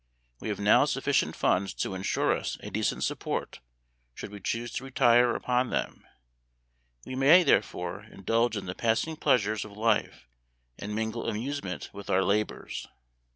We have now sufficient funds to insure us a decent support should we choose to retire upon them. We may, therefore, indulge in the passing pleasures of life, and mingle amusement with our labors."